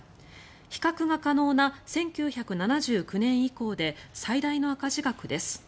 比較が可能な１９７９年以降で最大の赤字額です。